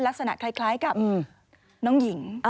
ลักษณะคล้ายกับน้องหญิง